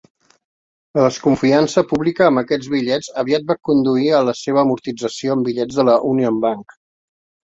La desconfiança pública amb aquests bitllets aviat va conduir a la seva amortització amb bitllets de la Union Bank.